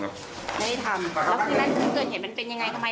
ไม่ได้ทำ